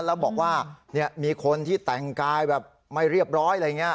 แล้วบอกว่าเนี่ยมีคนที่แต่งกายไม่เรียบร้อย